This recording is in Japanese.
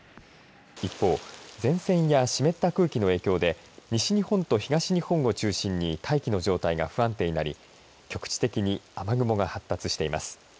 一方、前線や湿った空気の影響で西日本と東日本を中心に大気の状態が不安定になり局地的に雨雲が発達しています。